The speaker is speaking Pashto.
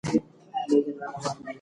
خلاص لوښي ژر میکروبونه جذبوي.